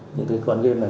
những cái con game này